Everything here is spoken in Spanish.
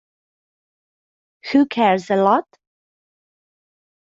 Who cares a Lot?